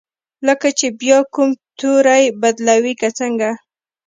لکه چې بیا کوم توری بدلوي که څنګه؟